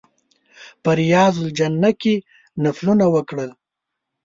په ریاض الجنه کې نفلونه وکړل.